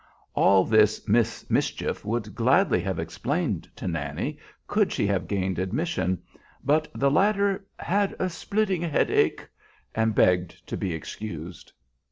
All this "Miss Mischief" would gladly have explained to Nannie could she have gained admission, but the latter "had a splitting headache," and begged to be excused.